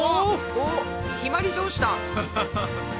おっひまりどうした？